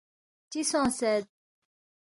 ”چِہ سونگسید؟“